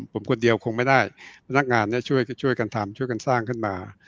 ผมคนเดียวคงไม่ได้พนักงานช่วยกันทำช่วยกันสร้างขึ้นมา